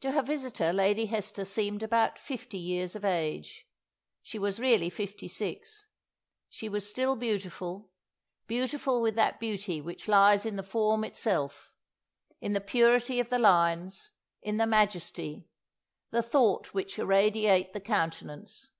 To her visitor Lady Hester seemed about fifty years of age; she was really fifty six; she was still beautiful beautiful with that beauty which lies in the form itself, in the purity of the lines, in the majesty, the thought which irradiate the countenance.